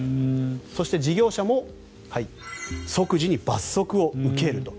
そして事業者も即時に罰則を受けると。